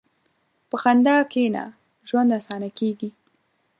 په خندا کښېنه، ژوند اسانه کېږي.